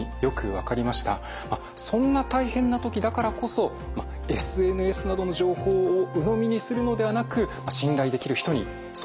そんな大変な時だからこそＳＮＳなどの情報をうのみにするのではなく信頼できる人に相談することが大切だと改めて感じました。